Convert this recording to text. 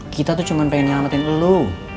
kita tuh cuman pengen nyelamatin lo